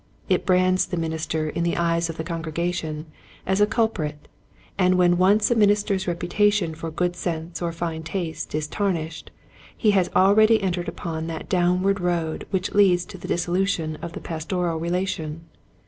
It brands the minister in the eyes of the congregation as a cul prit, and when once a minister's reputation for good sense or fine taste is tarnished he has already entered upon that downward road which leads to the dissolution of the pastoral relation.